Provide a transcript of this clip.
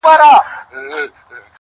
زما د زما د يار راته خبري کوه.